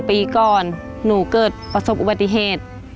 ปีก่อนหนูเกิดประสบอุบัติเหตุ